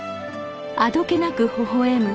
あどけなくほほ笑む